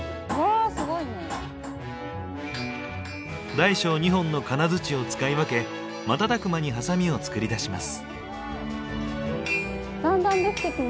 大小２本の金づちを使い分け瞬く間にハサミを作り出します。